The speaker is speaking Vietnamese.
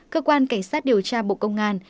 cơ quan cảnh sát điều tra bộ công an